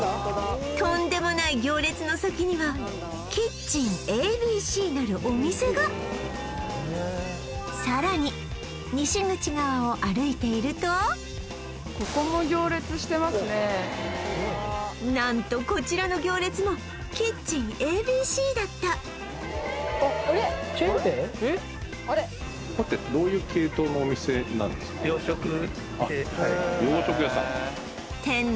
とんでもない行列の先にはキッチンＡＢＣなるお店がさらに西口側を歩いているとここも行列してますね何とこちらの行列もキッチンＡＢＣだったチェーン店？